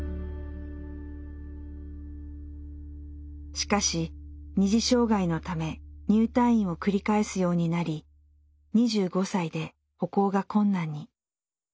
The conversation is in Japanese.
しかし二次障害のため入退院を繰り返すようになり２５歳で歩行が困難に。